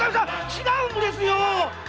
違うんですよ！